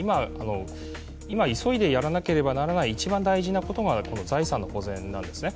今急いでやらなければいけない、一番大事なことがこの財産保全なんですね。